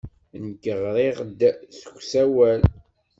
Nekk ɣriɣ-d s usawal.